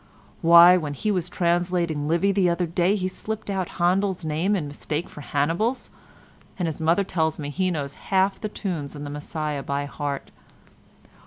Why, when he was translating Livy the other day he slipped out Handel's name in mistake for Hannibal's, and his mother tells me he knows half the tunes in the 'Messiah' by heart.